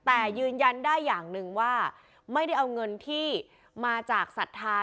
แต่ยืนยันได้อย่างหนึ่งว่าไม่ได้เอาเงินที่มาจากศรัทธา